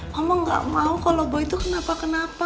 mama gak mau kalo boy itu kenapa kenapa pa